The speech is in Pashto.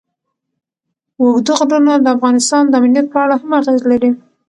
اوږده غرونه د افغانستان د امنیت په اړه هم اغېز لري.